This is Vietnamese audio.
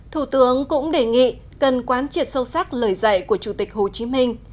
thủ tướng cũng đề nghị cần quán triệt sâu sắc lời dạy của chủ tịch hồ chí minh